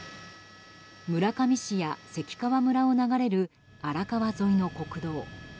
村上市や関川村を流れる荒川沿いの国道。